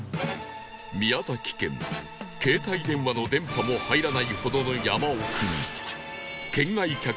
宮崎県携帯電話の電波も入らないほどの山奥に